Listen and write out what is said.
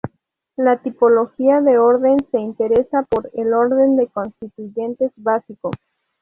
La tipología de orden se interesa por el 'orden de constituyentes básico'.